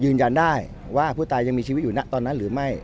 ยืนยันได้ว่าผู้ตายยังมีชีวิตอยู่นะตอนนั้นหรือไม่